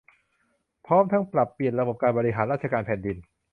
พร้อมทั้งปรับเปลี่ยนระบบการบริหารราชการแผ่นดิน